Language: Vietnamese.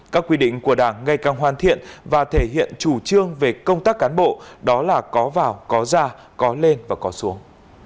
các quy định của đảng ngày càng hoàn thiện và thể hiện chủ trương về công tác cán bộ đó là có vào có ra có lên và có xuống